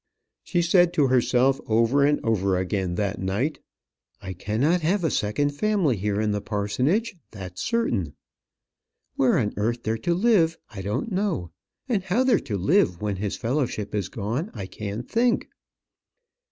She said to herself over and over again that night, "I cannot have a second family here in the parsonage; that's certain. And where on earth they're to live, I don't know; and how they're to live when his fellowship is gone, I can't think."